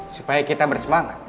supaya kita bersemangat